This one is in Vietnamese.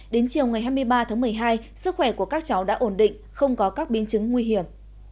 đến chiều ngày hai mươi ba tháng một mươi hai sức khỏe của các cháu đã ổn định không có các biến chứng nguy hiểm